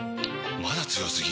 まだ強すぎ？！